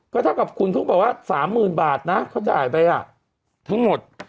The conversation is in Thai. ก็เท่ากับคุณเขาบอกว่า๓๐๐๐บาทนะเขาจ่ายไปทั้งหมด